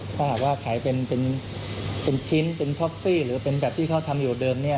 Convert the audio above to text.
ถ้าหากว่าขายเป็นชิ้นเป็นท็อฟฟี่หรือเป็นแบบที่เขาทำอยู่เดิม